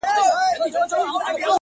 تا ولي په مسکا کي قهر وخندوئ اور ته؛